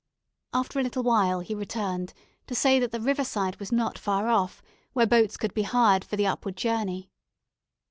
After a little while he returned to say that the river side was not far off, where boats could be hired for the upward journey.